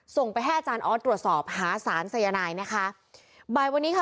ส่งไปแห้จานอธตรวจสอบหาสารสยนายนะคะใบวันนี้ค่ะ